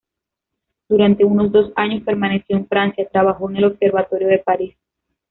Durante unos dos años permaneció en Francia, trabajó en el Observatorio de París.